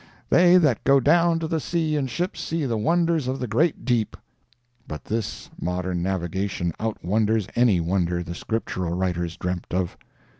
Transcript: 'They that go down to the sea in ships see the wonders of the great deep'—but this modern navigation out wonders any wonder the scriptural writers dreampt of.